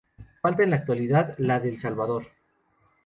Falta en la actualidad la del Salvador.